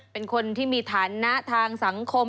เป็นคนที่มีฐานะทางสังคม